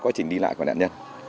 quá trình đi lại của nạn nhân